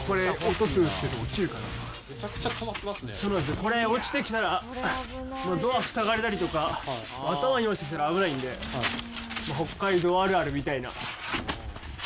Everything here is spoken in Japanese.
これ、落ちてきたらドアが塞がれたりとか、頭に落ちてきたら危ないんで、北海道あるあるみたいな。